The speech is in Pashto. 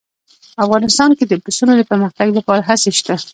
افغانستان کې د پسونو د پرمختګ لپاره هڅې شته.